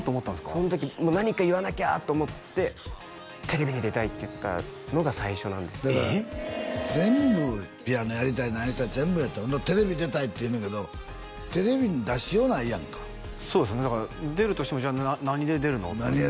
その時何か言わなきゃと思ってテレビに出たいって言ったのが最初なんです全部ピアノやりたい何したい全部やったほんならテレビ出たいって言うねんけどテレビに出しようないやんかそうですねだから出るとしても何で出るの？